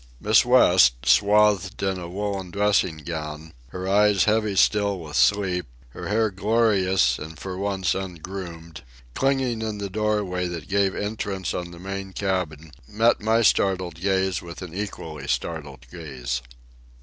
Miss West, swathed in a woollen dressing gown, her eyes heavy still with sleep, her hair glorious and for the once ungroomed, clinging in the doorway that gave entrance on the main cabin, met my startled gaze with an equally startled gaze.